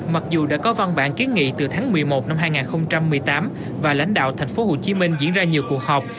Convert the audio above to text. mặc dù đã có văn bản kiến nghị từ tháng một mươi một năm hai nghìn một mươi tám và lãnh đạo tp hcm diễn ra nhiều cuộc họp